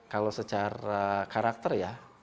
kalau secara karakter ya